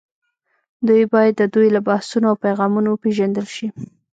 دوی باید د دوی له بحثونو او پیغامونو وپېژندل شي